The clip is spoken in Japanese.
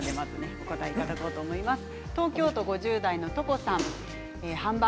お答えいただこうと思います。